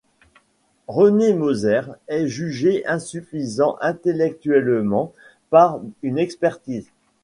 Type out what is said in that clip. René Moser est jugé insuffisant intellectuellement par une expertise.